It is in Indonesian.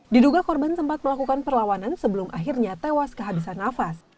diduga korban sempat melakukan perlawanan sebelum akhirnya tewas kehabisan nafas